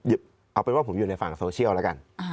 เอาเป็นว่าผมอยู่ในฝั่งโซเชียลแล้วกัน